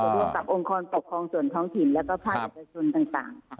โดยเจอกับองค์คลปกครองส่วนท้องถิ่นและก็ภาคประชุนต่าง